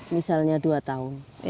misalnya dua tahun